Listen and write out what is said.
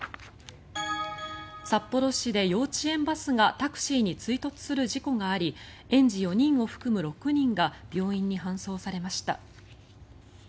札幌市で幼稚園バスがタクシーに追突する事故があり園児４人を含む６人が病院に搬送されました。